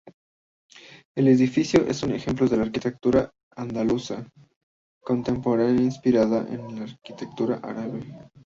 El edificio es un ejemplo de arquitectura andaluza contemporánea inspirada en la arquitectura árabe.